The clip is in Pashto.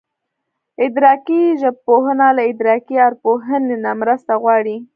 ادراکي ژبپوهنه له ادراکي ارواپوهنې نه مرسته غواړي